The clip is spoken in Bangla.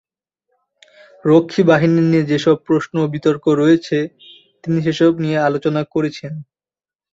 রক্ষীবাহিনী নিয়ে যেসব প্রশ্ন ও বিতর্ক রয়েছে, তিনি সেসব নিয়ে আলোচনা করেছেন।